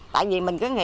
tại vì mình cứ nghĩ